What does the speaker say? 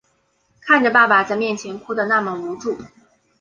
看着爸爸在面前哭的那么无助